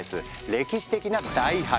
歴史的な大発見！